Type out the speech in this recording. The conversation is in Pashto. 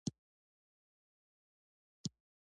استاد بينوا د پښتو ادب د پنځو ستورو څخه يو ستوری وو.